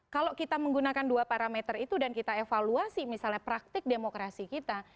kalau kita menggunakan dua parameter itu dan kita evaluasi misalnya praktik demokrasi kita